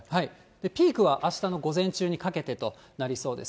ピークはあしたの午前中にかけてとなりそうです。